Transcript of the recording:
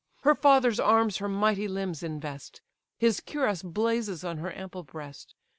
Her father's arms her mighty limbs invest, His cuirass blazes on her ample breast.